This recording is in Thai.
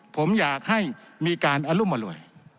ผมอยากให้มีอรุมนรวย